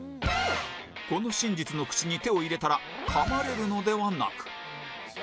この真実の口に手を入れたらかまれるのではなく